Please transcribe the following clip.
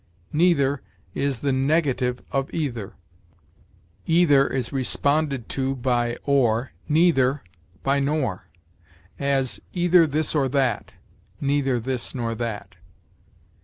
Neither is the negative of either. Either is responded to by or, neither by nor; as, "either this or that," "neither this nor that."